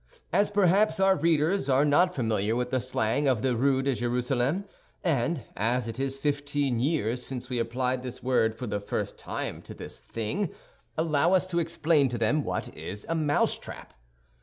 As perhaps our readers are not familiar with the slang of the Rue de Jerusalem, and as it is fifteen years since we applied this word for the first time to this thing, allow us to explain to them what is a mousetrap.